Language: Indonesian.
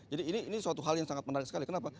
jadi ini suatu hal yang sangat menarik sekali kenapa